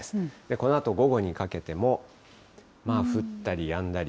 このあと午後にかけても、降ったりやんだり。